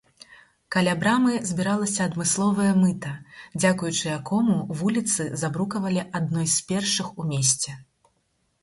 Каля брамы збіралася адмысловае мыта, дзякуючы якому вуліцу забрукавалі адной з першых у месце.